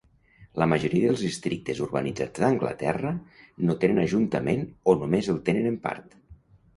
La majoria dels districtes urbanitzats d'Anglaterra no tenen ajuntament o només el tenen en part.